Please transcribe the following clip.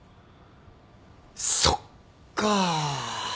そっか。